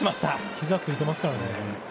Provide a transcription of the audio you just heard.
ひざついてますからね。